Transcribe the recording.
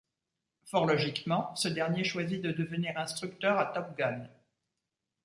Fort logiquement, ce dernier choisit de devenir instructeur à Top Gun.